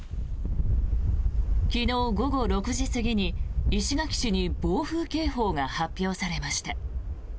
昨日午後６時過ぎに石垣市に暴風警報が発表されました。